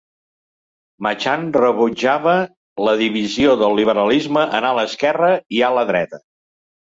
Machan rebutjava la divisió del liberalisme en "ala esquerra" i "ala dreta".